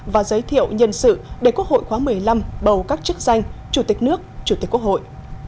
và giới thiệu nhân sự để quốc hội khóa một mươi năm bầu các chức danh chủ tịch nước chủ tịch quốc hội